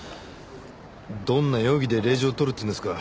どんな容疑で令状取るっていうんですか？